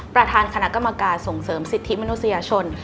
ประธานคณะกรรมการส่งเสริมสิทธิมนุษยชน